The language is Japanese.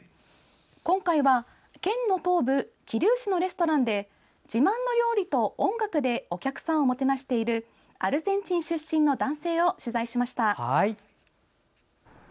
今回は、県の東部桐生市のレストランで自慢の料理と音楽でお客さんをもてなしているアルゼンチン出身の男性を取材しました。